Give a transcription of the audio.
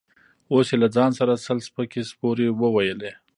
اوس يې له ځان سره سل سپکې سپورې وويلې.